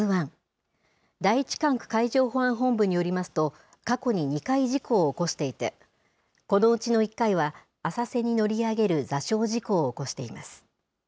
第１管区海上保安本部によりますと、過去に２回事故を起こしていて、このうちの１回は、浅瀬に乗り上げる座礁事故を起こしています。